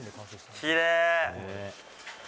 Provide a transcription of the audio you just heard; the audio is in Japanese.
きれい。